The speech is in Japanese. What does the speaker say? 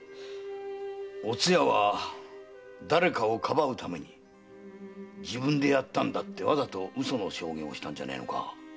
おつやは誰かをかばうために「自分でやったんだ」ってわざと嘘の証言をしたんじゃねえのか？